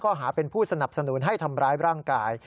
หาเป็นผู้สนับสนุนให้ทำร้ายร่างกาย